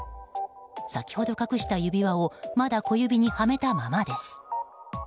先ほど隠した指輪をまだ小指にはめたままです。